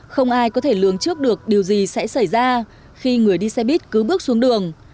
không ai có thể lường trước được điều gì sẽ xảy ra khi người đi xe buýt cứ bước xuống đường